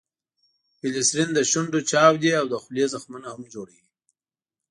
ګلیسرین دشونډو چاودي او دخولې زخمونه هم جوړوي.